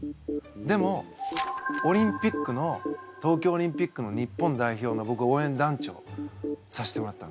でもオリンピックの東京オリンピックの日本代表のぼく応援団長させてもらったんです。